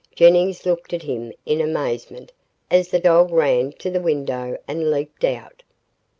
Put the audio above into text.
Jennings looked at him in amazement, as the dog ran to the window and leaped out.